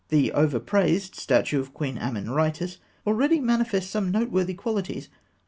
The over praised statue of Queen Ameniritis (fig. 202) already manifests some noteworthy qualities.